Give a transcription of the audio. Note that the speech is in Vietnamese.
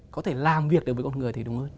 có thể làm việc được với con người thì đúng hơn